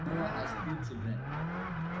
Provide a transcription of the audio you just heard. Noah has two children.